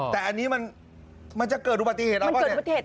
แต่อันนี้มันจะเกิดอุบัติเหตุแล้วก็เนี่ย